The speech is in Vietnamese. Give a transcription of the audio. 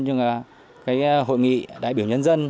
như là hội nghị đại biểu nhân dân